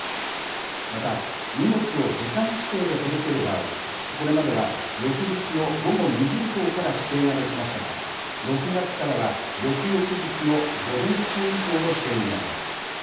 また、荷物を時間指定で届ける場合、これまでは翌日の午後２時以降から指定ができましたが、６月からは翌々日の午前中以降の指定になります。